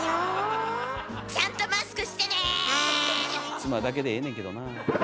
妻だけでええねんけどなあ。